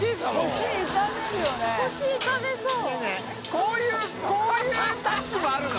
こういうタッチもあるの？